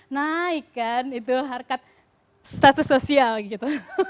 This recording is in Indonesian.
naik kan itu harkat status sosial gitu